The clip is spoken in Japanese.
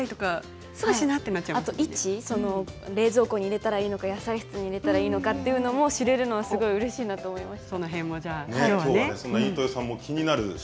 あとは冷蔵庫に入れたらいいのか野菜室に入れたらいいのかも知れるのはすごくうれしいなと思います。